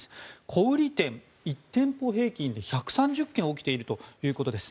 小売店、１店舗平均で１３０件起きているということです。